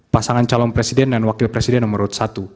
pasangan calon presiden dan wakil presiden nomor urut satu